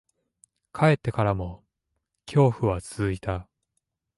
帰ってからも、恐怖は続いた。